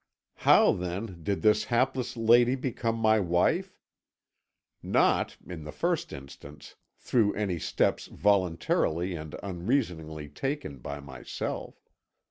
"How, then, did this hapless lady become my wife? Not, in the first instance, through any steps voluntarily and unreasoningly taken by myself.